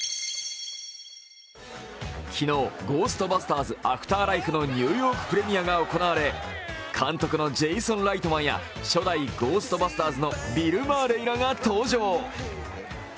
昨日、「ゴーストバスターズ／アフターライフ」のニューヨークプレミアが行われ、監督のジェイソン・ライトマンや初代「ゴーストバスターズ」のビル・マーレイらが登場。